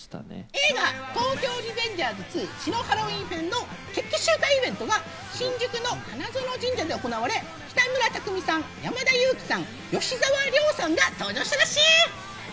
映画『東京リベンジャーズ２血のハロウィン編』の決起集会イベントが、新宿の花園神社で行われ、北村匠海さん、山田裕貴さん、吉沢亮さんが登場したなっしー！